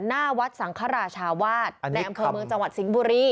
หน้าวัดสังฆราชาวาสในอำเภอเมืองจังหวัดสิงห์บุรี